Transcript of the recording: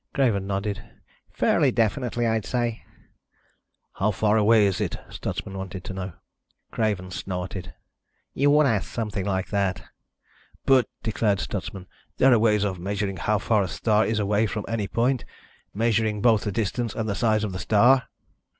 Craven nodded. "Fairly definitely, I'd say." "How far away is it?" Stutsman wanted to know. Craven snorted. "You would ask something like that." "But," declared Stutsman, "there are ways of measuring how far a star is away from any point, measuring both the distance and the size of the star."